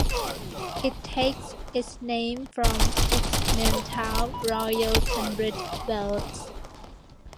It takes its name from its main town, Royal Tunbridge Wells.